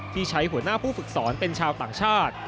ที่ใช้หัวหน้าผู้ฝึกสอนเป็นชาวต่างชาติ